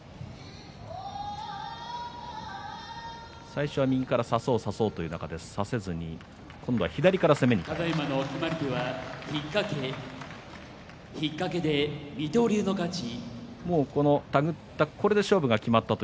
最初は右から、差そう差そうという中で差せずに、今度は左から攻めに変えました。